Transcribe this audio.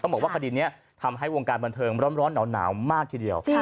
บอกว่าคดีนี้ทำให้วงการบันเทิงร้อนหนาวมากทีเดียว